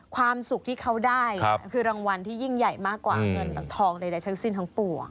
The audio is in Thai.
ความสุขที่เขาได้คือรางวัลที่ยิ่งใหญ่มากกว่าเงินทองใดทั้งสิ้นทั้งปวง